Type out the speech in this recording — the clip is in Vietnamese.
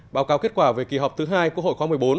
báo cáo kết quả về kỳ họp thứ hai của hội khoa một mươi bốn